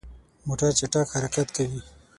موټر چټک حرکت کوي.